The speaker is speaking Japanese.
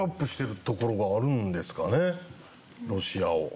ロシアを。